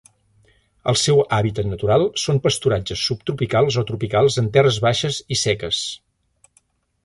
El seu hàbitat natural són pasturatges subtropicals o tropicals en terres baixes i seques.